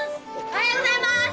おはようございます！